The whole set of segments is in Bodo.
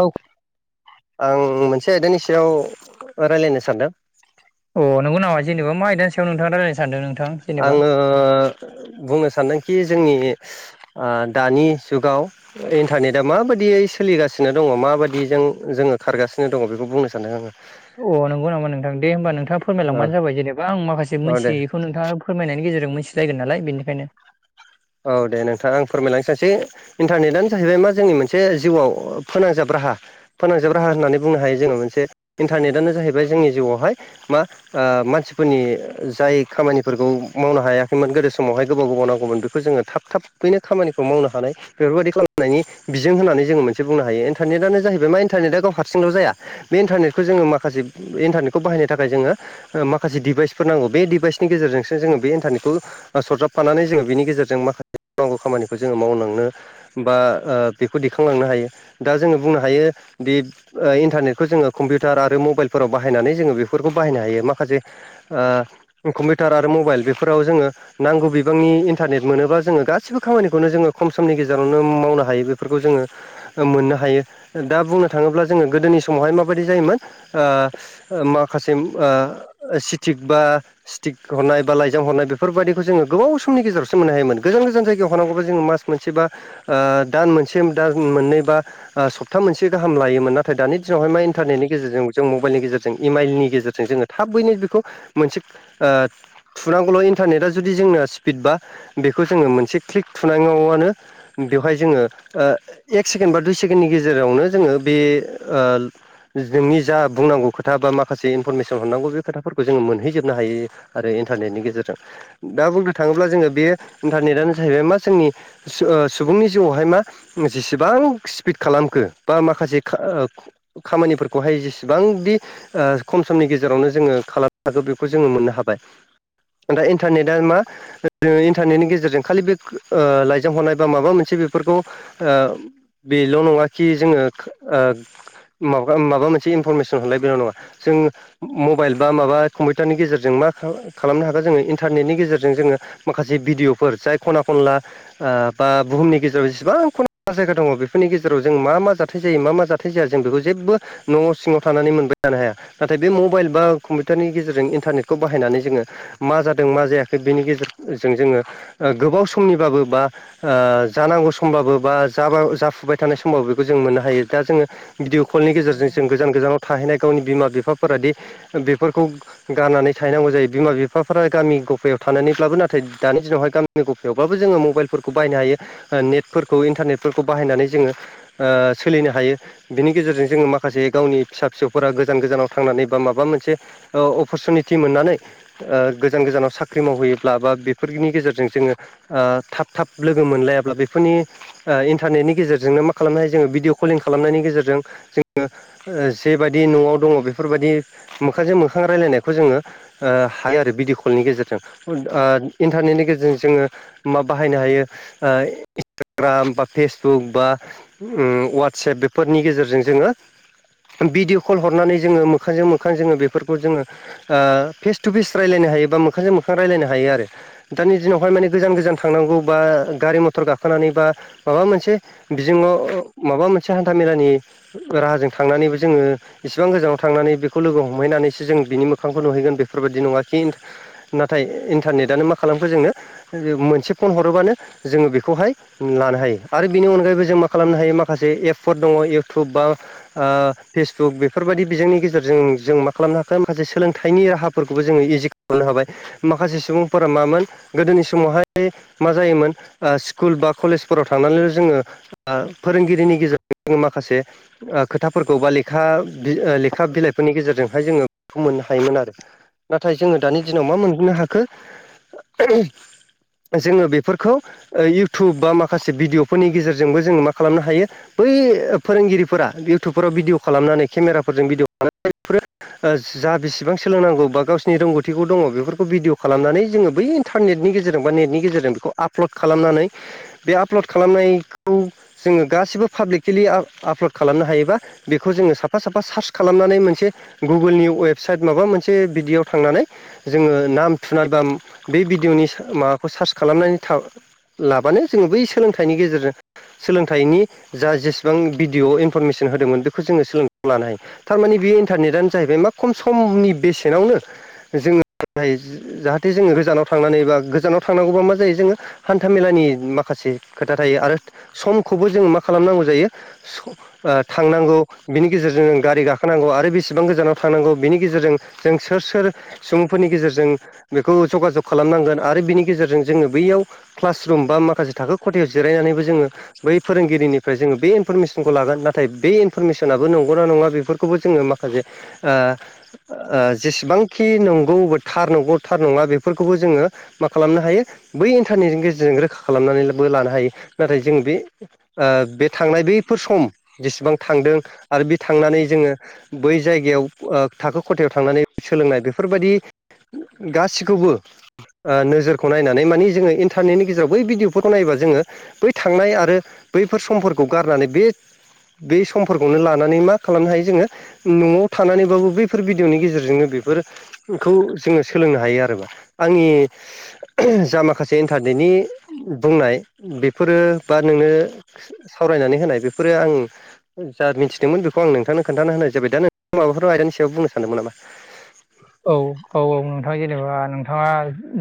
औ आं मोनसे आयदानि सायाव रायलायनो सानदों अ नंगौामा जेनेबा मा आयदानि सायाव नोंथाङा रायलायनो सानदों नोंथां जेनेबा आङो बुंनो सानदोंखि जोंनि ओ दानि जुगाव इन्टारनेटआ माबायदियै सोलिगासिनो दङ माबायदिजों जोङो खारगासिनो दङ बेखौ बुंनो सानदों आङो अ नंगौ नामा नोंथां दे होमबा नोंथाङा फोरमायलांबानो जाबाय जेनेबा आं माखासे औ दे मोनथि थ' नोंथाङा फोरमायनायनि गेजेरजों मोनथि लायगोन नालाय बेनिखायनो औ दे नोंथाङा आं फोरमायलां [unintelligible] इन्टारनेटनो जाहैबाय मा जोंनि मोनसे जिउआव फोनांजाब राहा फोनांजाब राहा होननानै बुंनो हायो जोङो मोनसे इन्टारनेटनो जाहैबाय जोंनि जिउआवहाय मा ओ मानसिफोरनि जाय खामानिफोरखौ मावनो हायाखैमोन गोदो समावहाय गोबाव गोबाव नांगौमोन बे खौ जोङो थाब थाबैनो खामानिखौ मावनो हानाय बेफोरबायदि खालामनायनि बिजों होननानै जोङो मोनसे बुंनो हायो इन्टारनेटआनो जाहैबाय मा इन्टारनेटआ गाव हारसिंल' जाया बे इन्टारनेटखौ जोङो माखासे ओ इन्टारनेटखौ बाहायनो थाखाय जोङो ओ माखासे दिभाइसफोर नांगौ बे डिभाइसनि गेजेरजोंसो जोङो बे इन्टारनेटखौ ओ सरजाप फानानै जोङो बेनि गेजेरजों जों माखासे मावनांगौ खामानिखौ जोङो मावलांनो बा ओ बेखौ दिखांलांनो हायो दा जोङो बुंनो हायो दि ओ इन्टारनेटखौ जोङो कम्पिउटार आरो मबाइलफोराव बाहायनानै जोङो बेफोरखौ बाहायनो हायो माखासे ओ कम्पिउटार आरो मबाइल बेफोराव जोङो नांगौ बिबांनि इन्टारनेट मोनोबा जोङो गासिबो खामानिखौनो जोङो खम समनि गेजेरावनो मावनो हायो बेफोरखौ जोङो मोननो हायो दा बुंनो थाङोब्ला जोङो गोदोनि समावहाय माबायदि जायोमोन ओ ओ माखासे मा ओ सिटिक बा स्टिक हरनाय बा लाइजाम हरनाय बेफोरबादिखौ जोङो गोबाव समनि गेजेराव सो मोननो हायोमोन गोजान गोजान जायगायाव थानांगौबा जों मास मोनसेबा ओ दान मोनसे दान मोननै बा ओ सप्ता मोनसे गाहाम लोमोन नाथाय दानि दिनावहाय मा इन्टारनेटनि गेजेरजोंबो जों मबाइलनि गेजेरजों जों इमाइलनि गेजेरजों जोङो थाबैनो बेखौ मोनसे ओ थुनांगौल' इन्टारनेटआ जुदि जोंना स्पिड बा बेखौ जोङो मोनसे क्लिक थुनांगौआनो बेवहाय जोङो ओ एक सेकेण्ड बा दुइ सेकेणडनि गेजेरावनो जोङो बे ओ नोंनि जा बुंनांगौ खोथा बा माखासे इनफरमेसन हरनांगौ बे खोथाफोरखौ जोङो मोनहैजोबनो हायो आरो इन्टारनेटनि गेजेरजों दा बुंनो थाङोब्ला जोङो बेयो इन्टारनेटानो जाहैबाय मा जोंनि ओ सुबुंनि जिउआवहाय मा जेसेबां स्पिड खालामखो बा माखासे खा खामानिफोरखौहाय जेसिबांदि ओ खम समनि गेजेरावनो जोंङो खालामनो हागौ बेखौ जोंङो मोननो हाबाय दा इन्टारनेटआ मा जोंङो इन्टारनेटनि गेजेरजों खालि बे ओ लाइजाम हरनाय बा माबा मोनसे बेफोरखौ बेल' नंङा खि जोंङो ओ माबा माबा मोनसे इनफरमेसन हरलाय बेल' नंङा जों मबाइल बा माबा कम्पिउटारनि गेजेरजों माखा खालामनो हागोन जोंङो इन्टारनेटनि गेजेरजों जोंङो माखासे भिडिअफोर जाय ख'ना ख'नला ओ बा बुहुमनि गेजेराव‌ जिसिबां खुना जायगा दंङो बेफोरनि गेजेराव जों मा मा जाथाय जायो मा मा जाथा हाथाय जाया जों बेखौ जेबो न' सिंआव थानानै मोनबाय थानो हाया नाथाय बे मबाइल बा कम्पिउटारनि गेजेरजों इन्टारनेटखौ बाहायनानै जोंङो मा जादों मा जायाखै बेनि गेजेरजों जोङो ओ गोबाव समनिबाबो बा ओ जानांगौ समबाबो बा जाफुबाय थानाय समबाबो बेखौ जों मोननो हायो दा जोंङो भिडिअ' कलनि गेजेरजों जों गोजान गोजानाव थाहैनाय गावनि बिमा बिफाफोरादि बेफोरखौ गारनानै थायैनांगौ जायो बिमा बिफाफोरा गामि ग'फायाव थानानैब्लाबो नाथाय नाथाय दानि दिनावहाय गामिनि ग'फायावबाबो जोंङो मबाइलफोरखौ बायनो हायो ओ नेटफोरखौ इन्टारनेटफोरखौ बाहायनानै जोंङो ओ सोलिनो हायो बिनि गेजेरजों जोंङो माखासे गावनि फिसा फिसौफोरा गोजान गोजानाव थांनानै बा माबा मोनसे ओ‌ अपरसुनिटि मोननानै ओ गोजान गोजानाव साख्रि मावहैयोब्ला बा बेफोरनि गेजेरजों जोंङो ओ थाब थाब लोगो मोनलायाब्ला बेफोरनि ओ इन्टारनेटनि गेजेरजोंनो मा खालामनो हायो जोंङो भिडिअ कलिं खालामनायनि गेजेरजों जोंङो ओ जेबादि न'आव दंङो बेफोरबायदि मोखसे मोखां राय्लायनायखौ जोंङो ओ हायो आरो भिडिअ कलनि गेजेरजों इन्टारनेटनि गेजेरजों जोंङो मा बाहायनो हायो ओ‌ इन्सटाग्राम बा फेसबुक बा उम वाट्सेप बेफोरनि गेजेरजों जोंङो भिडिअ' कल हरनानै जोंङो मोखांजों मोखां जोंङो बेफोरखौ जोंङो फिस टु फिस रायजलायनो हायो बा मोखांजों मोखां रायजलायनो हायो आरो दानि दिनावहाय माने गोजान गोजान थांनांगौ बा गारि मथर गाखोनानै बा माबा मोनसे बिजोंआव माबा मोनसे हान्थाामेलानि राहाजों थांनानैबो जोंङो इसिबां गोजानाव थांनानै बेखौ लोगो हमहैनानैसो जों बिनि मोखांखौ नुहैगोन बेफोरबायदि नंङा खि नाथाय इन्टारनेटानो मा खालामखो जोंङो मोनसे फन हरोबानो जोंङो बेखौहाय लानो हायो आरो बिनि अनगायैबो जों मा खालामनो हायो माखासे एपफोर दंङो इउटुब बा फेसबुक बेफोरबायदि बिजोंनि गेजेरजों जों मा खालामनो हाखोन माखासे सोलोंथाइनि राहाफोरखौबो जोंङो इजि मोननो हाबाय माखासे सुबुंफोरा मामोन गोदोनि समावहाय मा जायोमोन स्कुल बा कलेजफोराव थांनानैल' जोंङो फोरोंगिरिनि गेजेरजों जोंङो माखासे खोथा फोरखौ बा लेखा लेखा बिलाइफोरनि गेजेरजोंहाय जोंङो बेखौ मोननो हायोमोन आरो नाथाय जोंङो दानि दिनाव मा मोननो हाखो जोंङो बेफोरखौ इउटुब बा माखासे भिडिअफोरनि गेजेरजोंबो जोङो मा खालामनो हायो बै फोरोंगिरिफोरा इउटुबफोराव भिडिय' खालामनानै केमेराफोरजों भिडिय' खालाम [unintelligible] जा बेसेबां सोलोंनांगौ बा गावसिनि रोंगौथिखौ दङो बेफोरखौ भिडिअ' खालामनानै जोङो बै इन्टारनेटनि गेजेरजों बा नेटनि गेजेरजों बेखौ आपलड खालामनानै बे आपलड खालामनायखौ जोङो गासिबो पाब्लिकेलि आपलड खालामनो हायोबा बेखौ जोंङो साफा साफा सार्च खालामनानै मोनसे गुगोलनि वेबसाइट माबा मोनसे बिदियाव थांनानै जोङो नाम थुनारबा बे भिडिअ'नि माबाखौ सार्च खालामनायनि लाबानो जोङो बै सोलोंथाइनि गेजेरजों सोलोंथाइनि जा जेसेबां भिडिअ' इनफरमेसन होदोंमोन बेखौ जोङो सोलोंथाइखौ लानो हायो थारमाने बे इन्टारनेटानो जाहैबाय मा खम समनि बेसेनावनो जोङो मोननो हायो जाहाथे जोङो गोजानाव थांनानै बा गोजानाव थांनांगौबा मा जायो जोङो हान्था मेलानि माखासे खोथा थायो आरो समखौबो जोङो मा खालामनांगौ जायो थांनांगौ बिनि गेजेरजों गारि गाखोनांगौ आरो बेसेबां गोजानाव थांनांगौ बिनि गेजेरजों जों सोर सोर सुबुंफोरनि गेजेरजों बेखौ जुगाजग खालामनांगोन आरो बिनि गेजेरजों जोङो बे बैयाव क्लास रुम बा माखासे थाखो खथायाव जिरायनानैबो जोङो बै फोरोंगिरिनिफ्राय जो बे इनफरमेसनखौ लागोन नाथाय बे इनफरमेसनाबो नंगौना नङा बेफोरखौबो जोङो माखासे जेसेबांखि नंगौ थार नंगौ थार नङा बेफोरखौबो जोङो मा खालामनो हायो बै इन्टारनेटनि गेजेरजों रोखा खालामनानैबो लानो हायो नाथाय जों बे बे थांनाय बैफोर सम जेसेबां थांदों आरो बे थांनानै जोङो बै जायगायाव थाखो खथायाव थांनानै सोलोंनाय बेफोरबायदि गासिखौबो नोजोरखौ नायनानै माने जोङो सानैनि गेजेराव बै भिडिय'फोरखौ नायोबा जोङो बै थांनाय आरो बैफोर समफोरखौ गारनानै बे बे समफोरखौनो लानानै मा खालामनो हायो जोङो न'आव थानानैबाबो बैफोर भिडिअनि गेजेरजोंनो बेफोरखौ जोङो सोलोंनो हायो आरो आंनि जा माखासे इन्टारनेटनि बुंनाय बेफोरो बा नोंनो सावरायनानै होनाय बेफोरो आं जा मिथिदोंमोन बेखौ आं नोंथांनो खोनथा होनाय जाबाय दा नों माबाफोर आयदानि सायाव बुंनो सानदोंमोन नामा औ औ औ नोंथाङा जेनेबा नोंथाङा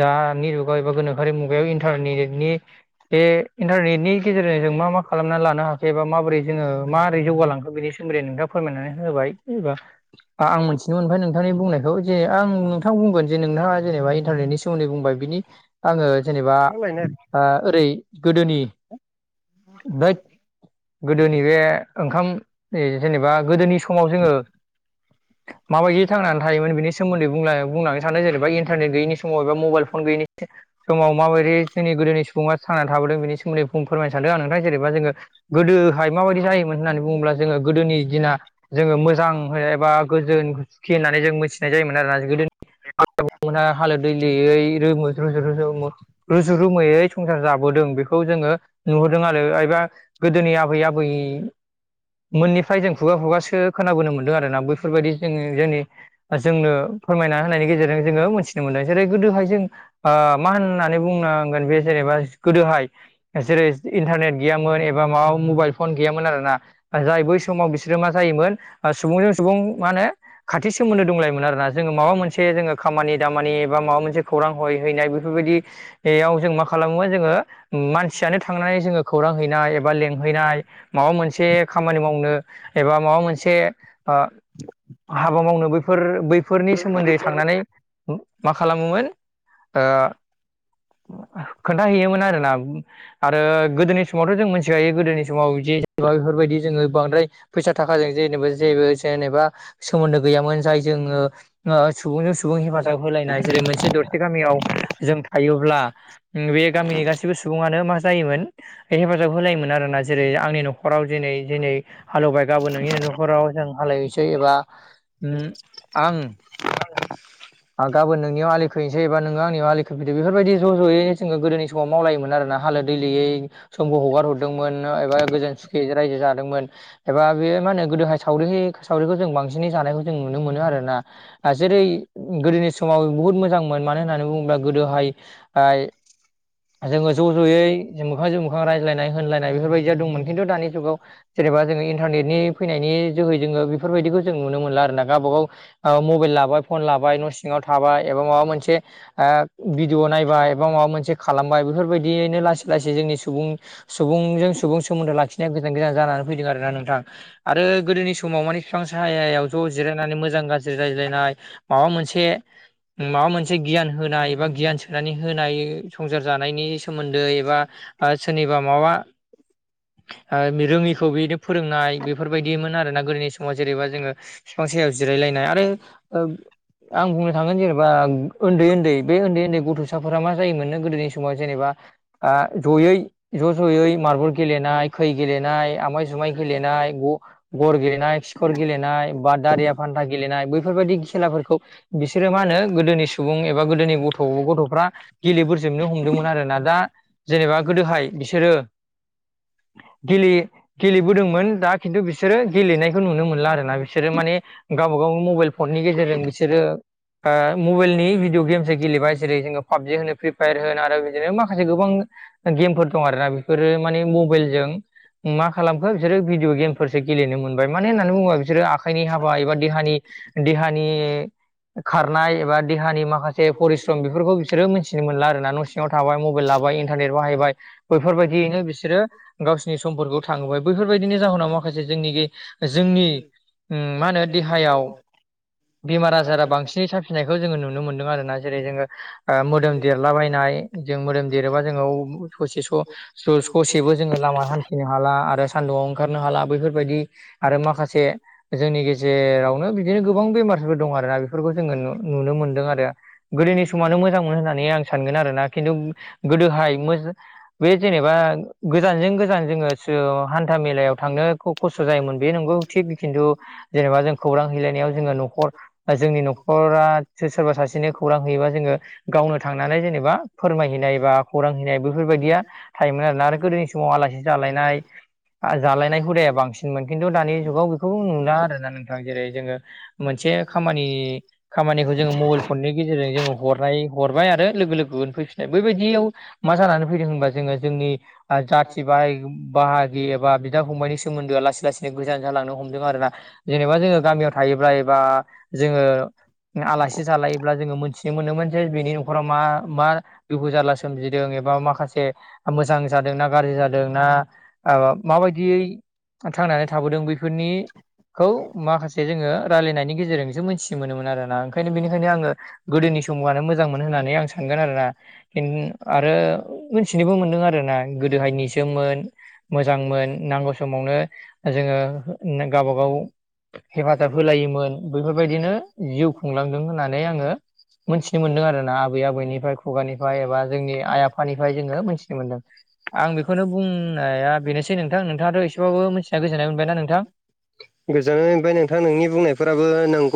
दानि जुगाव एबा गोनोखोआरि मुगायाव इन्टारनेटनि नि बे इन्टारनेटनि गेजेरजों जों मा मा खालामनानै लानो हाखो एबा माबोरै जोङो माबोरै जौगालांखो बेनि सोमोनदै नोंथाङा फोरमायनानै होबाय जेनेबा आं मिथिनो मोनबाय नोंथांनि बुंनायखौ जे आं नोंथां बुंगोन जे नोंथाङा जेनेबा इन्टारनेटनि सोमोन्दै बुंबाय बिनि आङो जेनेबा ओरै गोदोनि गोदोनि बे ओंखाम जेनेबा गोदोनि समाव जोङो माबायदि थांनानै थायोमोन बेनि सोमोन्दै बुं बुंलांनो सानो जेनेबा इन्टारनेट गैयिनि समाव समाव एबा मबाइल फन गैयिनि समाव माबायदि जोंनि गोदोनि सुबुङा थांनानै थाबोदों बि सोमोनदै बुं फोरमायनो सानदों आं नोंथां जेनेबा जोङो गोदोहाय माबायदि जायोमोन होननानै बुङोब्ला जोङो गोदोनि दिना जोङो मो मोजां एबा गोजोन सुखि होननानै जों मिथिनाय जायोमोन आरोना गोदो [unintelligible] मोनहा हालो दैलोयै रोमो रुजु रोमो रुजु रुमैयै संसार जाबोदों बेखौ जोङो नुहुरदों आरो एबा गोदोनि आबै आबै मोननिफ्राय जों खुगा खुगासो खोनाबोनो मोनदों आरोना बैफोरबायदि जोङो जोंनि जोंनो फोरमायना होनायनि गेजेरजों जोङो मोन्थिनो मोनदों जेरै गोदोहाय जों ओ मा होननानै बुंनांगोन बे जेनेबा गोदोहाय जेरै इन्टारनेट गैयामोन एबा माबा मबाइल फन गैयामोन आरोना जाय बै समाव बिसोर मा जायोमोन सुबुंजों सुबुं मा होनो खाथि सोमोन्दो दंलायोमोन आरोना जोङो माबा मोनसे जोङो खामानि दामानि एबा माबा मोनसे खौरां हय हैनाय बेफोरबायदि बेयाव जों मा खालामो जोङो मानसियानो थांनानै जोङो खौरां हैनाय एबा लेंहैनाय माबा मोनसे खामानि मावनो एबा माबा मोनसे ओ हाबा मावनोबो फोर बैफोरनि सोमोन्दै थांनानै मा खालामोमोन ओ खोन्थाहैयोमोन आरो ना। आरो गोदोनि समावथ' जों मिथिखायो गोदोनि समाव जे बा बेफोरबायदि जोङो बांद्राय फैसा थाखाजों जेनेबा जेबो जेनेबा सोमोन्दो गैयामोन जाय जोङो ओ सुबुंजों सुबुं हेफाजाब होलायनाय जेरै मोनसे दरसे गामियाव जों थायोब्ला बे गामिनि गासैबो सुबुङानो मा जायोमोन हेफाजाब होलायोमोन आरो ना जेरै आंनि न'खराव दिनै दिनै हालेवबाय गाबोन नोंनि न'खराव जों हालेवैसै एबा उम उम आं गाबोन नोंनियाव आलि खैनोसै एबा नोङो आंनियाव आलि खोफैदो बेफोरबायदि ज' ज'यैनो जोङो गोदोनि समाव मावलायोमोन आरोना हालोद दैलोयै। समखौ हगार हरदोंमोन एबा गोजोन सुखैयै रायजो जादोंमोन। एबा बेयो मा होनो गोदोहाय सावरि सावरिखौ जों बांसिनै जानायखौ जों नुनो मोनो। आरो ना जेरै गोदोनि सु समाव बुहुत मोजांमोन मानो होननानै बुङोब्ला गोदोहाय ओ जोङो ज' ज'यै जों मोखांजों मोखां रायज्लायनाय होनलायनाय बेफोरबायदियाव दंमोन खिन्थु दानि जुगाव जेनेबा जोङो इन्टारनेटनि फैनायनि जोहै जोङो बेफोरबायदिखौ जों नुनो मोनला आरोना गावबा गाव ओ मबाइल लाबाय फन लाबाय न' सिङाव थाबाय एबा माबा मोनसे ओ भिडिअ नायबाय बा माबा मोनसे खालामबाय बेफोरबायदियैनो लासै लासै जोंनि सुबुं सुबुंजों सुबुं सोमोन्दो लाखिनाया गोजान गोदान जानानै फैदों आरोना नोंथां आरो गोदोनि समाव माने बिफां साहायाव ज' जिरायनानै मोजां मोजां गाज्रि रायज्लायनाय माबा मोनसे माबा मोनसे गियान होनाय एबा गियान सोनानै होनाय संसार जानायनि सोमोन्दै एबा सोरनिबा माबा रोङिखौ बिनो फोरोंनाय बेफोरबायदिमोन आरोना गोदोनि समाव जेनेबा जोङो बिफां सायाव जिरायलायनाय आरो आं बुंनो थांगोन जेनेबा उन्दै उन्दै बे उन्दै उन्दै गथ'साफोरा मा जायोमोननो गोदोनि समाव जेनेबा आ जयै ज' ज'यै मार्बल गेलेनाय खै गेलेनाय आमाय जुमाय गेलेनाय ग गर गेलेनाय खिखर गेलेनाय बा दारिया फान्था गेलेनाय बैफोरबायाददि खेलाफोरखौ बिसोरो मा होनो गोदोनि सुबुं एब बा गोदोनि गथ' गथ'फ्रा गेलेबोजोबनो हमदोंमोन आरोना दा जेनेबा गोदोहाय बिसोरो गेले गेलेबोदोंमोन दा खिन्थु बिसोरो गेलेनायखौ नुनो मोनला आर ना बिसोरो माने गावबा गाव मबाइल फननि गेजेरजों बिसोरो ओ मबाइलनि भिडिय' गेम्स गेलेबाय जेरै जोङो पाबजि होनो फ्रि फायार होन आरो बिदिनो माखासे गोबां गेमफोर दं आरो ना बेफोरो माने मबाइलजों मा खालामखो बिसोरो भिडिय' गेमफोरसो गेलेनो मोनबाय मानो होननानै बुङोबा बिसोरो आखाइनि हाबा एबा देहानि खारनाय एबा देहानि माखासे फरस्रम बेफोरखौ बिसोरो मोनथिनो मोनला आरोना न' सिं सिङाव थाबाय मबाइल लाबाय इन्टारनेट बाहायबाय बैफोरबायदियैनो बिसोरो गावसिनि समफोरखौ थाङोबाय बैफोरबायदिनि जाहोनाव माखासे जोंनिखि जोंनि उम मा होनो देहायाव [unintelligible] बेमार आजारा बांसिनै साफिननायखौ जोङो नुनो मोनदों आरोना जेरै जोङो ओ मोदोम देरलाबायनाय जों मोदोम देरोबा जोङो ससे स ससेबो जोङो लामा हान्थिनो हाला आरो सानदुंआव ओंखारनो हाला बेैफोरबायदि आरो माखासे जोंनि ग जेरावनो बिदिनो गोबां बेमारफोर दं आरो ना बेफोरखौ जोङो नुनो मोनदों आरो गोदोनि समानो मोजां मोन होननानै आं सानगोन आरोना खिन्थु गोदोहाय मो बे जेनेबा गोजानजों गोजान जोङो हान्था मेलायाव थांनो खस्थ' जायोमोन बे नंगौ थिग खिन्थु जेनेबा जों खौरां हैलायनायाव जोङो न'खर बा जोंनि न'खरासो सोरबा सासेनो खौरां होयोबा जोङो गावनो थांनानै जेनेबा फोरमायहैनाय बा खौरां हैैनाय बेफोरबायदिया थायोमोन आरोना आरो गोदोनि समाव आलासि जालायनाय जालायनाय हुदाया बांसि मोन खिन्थु दानि जुगाव बेखौ नुला आरोना नोंथां जेरै जोङो मोनसे खामानि खामानिखौ जोङो मबाइल फननि गेजेरजों जोङो हरनाय हरबाय आरो लोगो लोगो उनफैफिननाय बैबायदियाव मा जानानै फैदों होनबा जोङो जोंनि जाथि बाहाय बाहाय गि एबा बिदा फंबायनायनिनि सोमोन्दोआ लासै लासैनो गोजान जालांनो हमदों आरो ना जेनेबा जोङो गामियाव थायोब्ला एबा जोङो आलासि जालायोब्ला जोङो मोनथि नो मोनोमोन जे बिनि न'खराव मा मा दखु जारला सोमजिदों एबा माखासे मोजां जादों ना गाज्रि जादों ना ओ माबायदियै थांनानै थाबोदों बैफोरनि खौ माखासे जोङो रायजलायनायनि गेजेरजोंसो मोन्थिनो मोनोमोन आरो ना ओंखायनो बेनिखायनो आङो गोदोनि समनो मोजां मोन होननानै आं सानगोन आरोना [unintelligible] आरो मोनथिनोबो मोनदों आरो ना गोदोहाय निजोममोन मोजांमोन नांगौ समावनो जोङो गावबाागाव हेफाजाब होलायोमोन बैफोरबायदिनो जिउ खुंलांदों होननानै आङो मोनथिनो मोनदों आरोना आबै आबैनिफ्राय खुगानिफ्राय एबा जोंनि आइ आफानिफ्राय जोङो मोनथिनो मोनदों आं बेखौनो बुंनाया बेनोसै नोंथां नोंथाङाथ' एसेबाबो मोनथिना गोजोननाय मोनबायना नोंथां गोजोननाय मोनबाय नोंथां नोंनि बुंनायफोराबो नंगौ